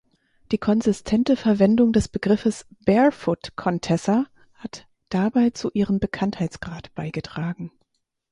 Die konsistente Verwendung des Begriffes "Barefoot Contessa" hat dabei zu ihrem Bekanntheitsgrad beigetragen.